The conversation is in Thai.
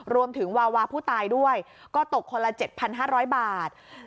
รวมถึงวาวาผู้ตายด้วยก็ตกคนละเจ็ดพันห้าร้อยบาท